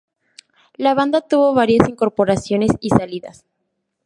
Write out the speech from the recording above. La banda tuvo varias incorporaciones y salidas.